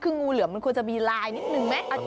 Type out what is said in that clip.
คืองูเหลือมมันควรจะมีลายนิดนึงไหม